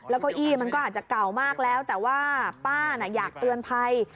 แล้วก็อี้มันก็อาจจะเก่ามากแล้วแต่ว่าป้าน่ะอยากเตือนภัย